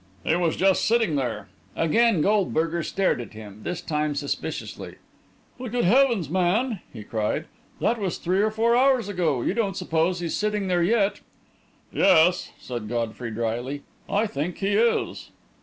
"He was just sitting there." Again Goldberger stared at him, this time suspiciously. "But, good heavens, man!" he cried. "That was three or four hours ago! You don't suppose he's sitting there yet!" "Yes," said Godfrey drily, "I think he is."